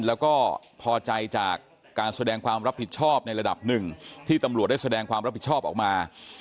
แล้วก็พอใจจากการแสดงความรับผิดชอบในระดับหนึ่งที่ตำรวจได้แสดงความรับผิดชอบออกมา